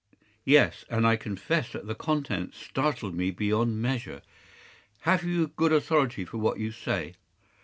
“Yes, and I confess that the contents startled me beyond measure. Have you good authority for what you say?